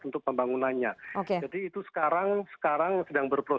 untuk pembangunannya oke jadi itu sekarang sekarang sedang berjalan